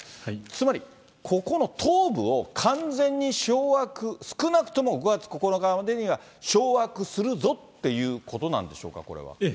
つまりここの東部を完全に掌握、少なくとも５月９日までには掌握するぞっていうことなんでしょうか、これは。